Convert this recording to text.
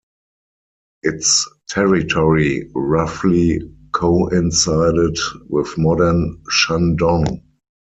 Its territory roughly coincided with modern Shandong.